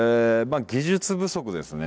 あ技術不足ですね